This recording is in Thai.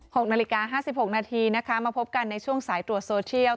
หกนาฬิกาห้าสิบหกนาทีนะคะมาพบกันในช่วงสายตรวจโซเชียล